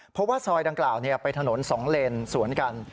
เพราะว่าซอยดังกล่าวเป็นถนน๒เลนสวนกัน